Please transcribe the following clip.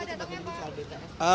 kapan datangnya pak